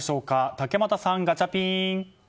竹俣さん、ガチャピン！